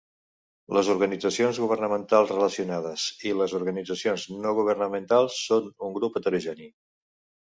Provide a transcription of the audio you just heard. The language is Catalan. Les organitzacions governamentals relacionades i les organitzacions no governamentals són un grup heterogeni.